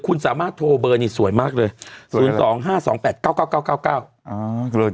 เป็นการกระตุ้นการไหลเวียนของเลือด